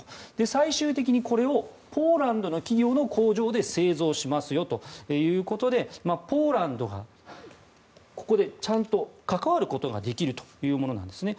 最終的に、これをポーランドの企業の工場で製造しますよということでポーランドがここでちゃんと関わることができるというものなんですね。